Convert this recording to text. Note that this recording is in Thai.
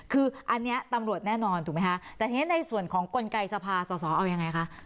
คืออันนี้ตำรวจแน่นอนถูกไหมคะแต่ทีนี้ในส่วนของกลไกสภาสอสอเอายังไงคะ